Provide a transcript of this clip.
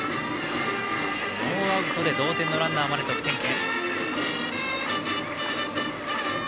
ノーアウトで同点のランナーまで得点圏。